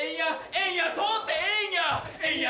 エンヤ通ってええんや！